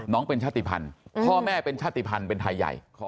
เป็นชาติภัณฑ์พ่อแม่เป็นชาติภัณฑ์เป็นไทยใหญ่